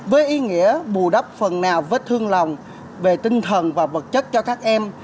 với ý nghĩa bù đắp phần nào vết thương lòng về tinh thần và vật chất cho các em